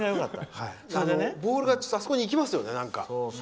ボールがなんかあそこに行きましたよね。